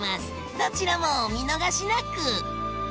どちらもお見逃しなく！